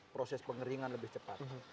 proses pengeringan lebih cepat